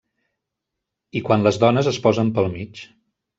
I quan les dones es posen pel mig.